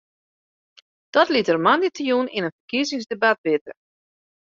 Dat liet er moandeitejûn yn in ferkiezingsdebat witte.